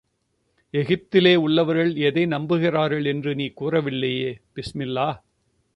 எகிப்திலே உள்ளவர்கள் எதை நம்புகிறார்கள் என்று நீ கூறவில்லையே. பிஸ்மில்லா!...